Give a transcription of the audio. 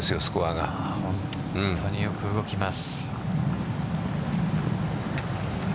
本当によく動きます。